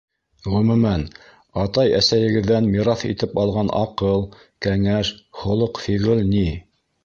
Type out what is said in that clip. Ғөмүмән, атай-әсәйегеҙҙән мираҫ итеп алған аҡыл, кәңәш, холоҡ-фиғел ни?